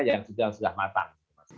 yang sedang matang